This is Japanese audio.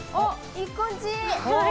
いい感じ！